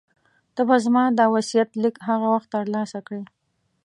ته به زما دا وصیت لیک هغه وخت ترلاسه کړې.